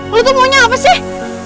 lo tuh maunya apa sih